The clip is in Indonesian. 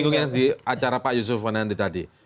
saya ingin menyingungi acara pak yusuf menandi tadi